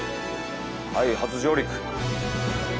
はい初上陸。